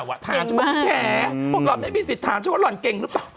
เก่งมากถามฉันว่าไอ้แข๋หลอดไม่มีสิทธิ์ถามฉันว่าหล่อนเก่งหรือเปล่า